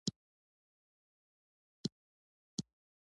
تودوخه د افغانستان د کلتوري میراث برخه ده.